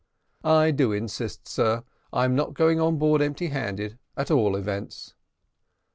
"I do insist, sir; I'm not going on board empty handed, at all events."